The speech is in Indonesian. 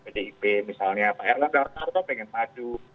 pak erlang gartar pak pengen padu